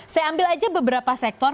saya ambil aja beberapa sektor